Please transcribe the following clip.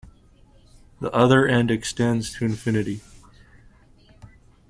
The other end extends to infinity.